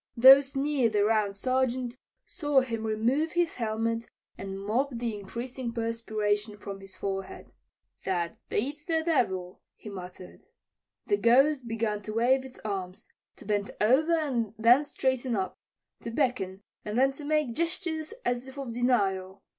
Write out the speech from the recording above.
Those near the Round Sergeant saw him remove his helmet and mop the increasing perspiration from his forehead. "That beats the devil," he muttered. The Ghost began to wave its arms, to bend over and then straighten up; to beckon and then to make gestures as if of denial.